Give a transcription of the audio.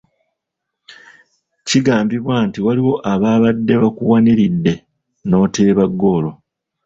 Kigambibwa nti waliwo ababadde bakuwaniridde n'oteeba ggoolo.